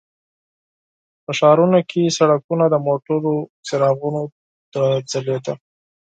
په ښارونو کې سړکونه د موټرو څراغونو ته ځلیده.